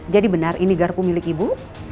jadi benar ini garpu milik ibu